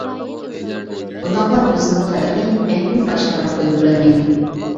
بۇنداقلار ئۆزىنىڭ قەدرىنى مەڭگۈ باشقىلارغا بىلدۈرەلمەيدۇ.